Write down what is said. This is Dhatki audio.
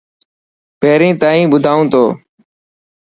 پهرين تائن ٻڌان ٿو.